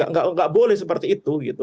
nggak boleh seperti itu gitu